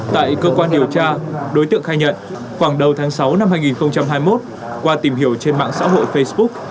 tại cơ quan điều tra đối tượng khai nhận khoảng đầu tháng sáu năm hai nghìn hai mươi một qua tìm hiểu trên mạng xã hội facebook